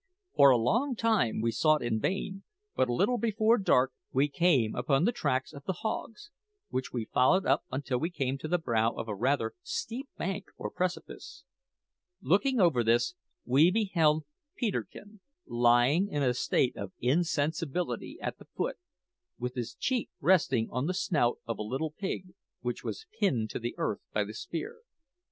For a long time we sought in vain; but a little before dark we came upon the tracks of the hogs, which we followed up until we came to the brow of a rather steep bank or precipice. Looking over this, we beheld Peterkin lying in a state of insensibility at the foot, with his cheek resting on the snout of a little pig, which was pinned to the earth by the spear.